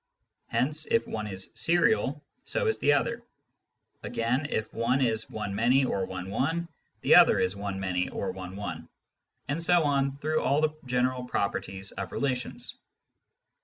Hence if one is serial, so is the other. Again, if one is one many or one one, the other is one many Similarity of Relations 55 or one one ; and so on, through all the general properties of relations.